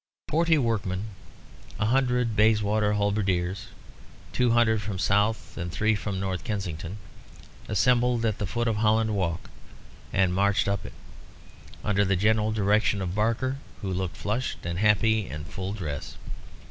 Forty workmen, a hundred Bayswater Halberdiers, two hundred from South, and three from North Kensington, assembled at the foot of Holland Walk and marched up it, under the general direction of Barker, who looked flushed and happy in full dress.